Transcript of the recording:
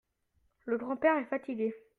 Le grand-père est fatigué.